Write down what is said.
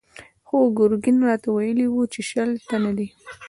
خو ګرګين راته ويلي و چې شل تنه دي.